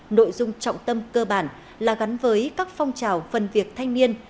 nội dung trọng tâm cơ bản là gắn với các phong trào phần việc thanh niên